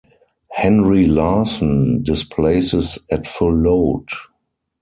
"Henry Larsen" displaces at full load.